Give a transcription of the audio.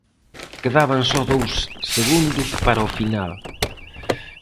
Quedaban só dous segundos para o final.